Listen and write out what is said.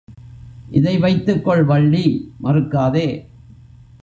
இதை வைத்துக் கொள் வள்ளி மறுக்காதே.